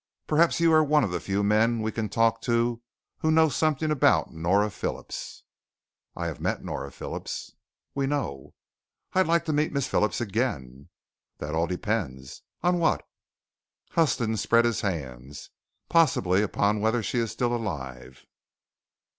Perhaps you are one of the few men we can talk to who knows something about Nora Phillips." "I have met Nora Phillips." "We know." "I'd like to meet Miss Phillips again." "That all depends." "On what?" Huston spread his hands. "Possibly upon whether she is still alive."